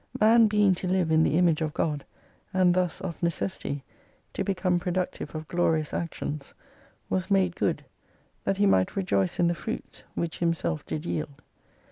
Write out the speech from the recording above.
51 Man being to live in the Image of God, and thus of necessity to become productive of glorious actions, was made good, that he might rejoice in the fruits, which himself did yield.